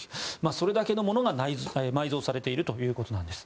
それだけのものが埋蔵されているということなんです。